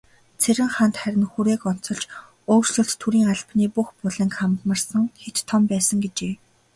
Цэрэнханд харин хүрээг онцолж, "өөрчлөлт төрийн албаны бүх буланг хамарсан хэт том байсан" гэжээ.